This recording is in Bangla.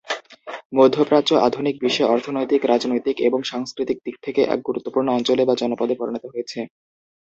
মধ্যপ্রাচ্য আধুনিক বিশ্বে অর্থনৈতিক, রাজনৈতিক, এবং সাংস্কৃতিক দিক থেকে এক গুরুত্বপূর্ণ অঞ্চলে বা জনপদে পরিণত হয়েছে।